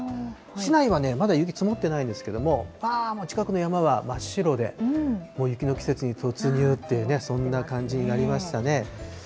市内はまだ雪が積もってないんですけれども、近くの山は真っ白で、雪の季節に突入という、そんな感じになりましたね。